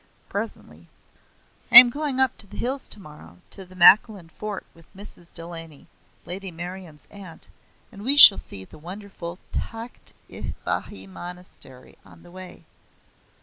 Presently: "I am going up to the hills tomorrow, to the Malakhand Fort, with Mrs. Delany, Lady Meryon's aunt, and we shall see the wonderful Tahkt i Bahi Monastery on the way.